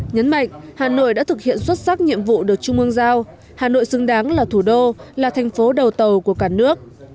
nhấn mạnh hà nội đã thực hiện xuất sắc nhiệm vụ được trung ương giao hà nội xứng đáng là thủ đô là thành phố đầu tàu của cả nước